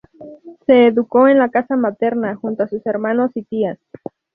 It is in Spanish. Se educó en la casa materna junto a sus hermanos y tías.